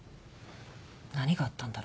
何があったんだろ。